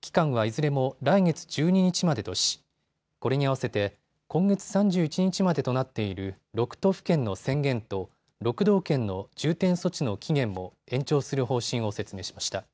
期間はいずれも来月１２日までとし、これに合わせて今月３１日までとなっている６都府県の宣言と６道県の重点措置の期限も延長する方針を説明しました。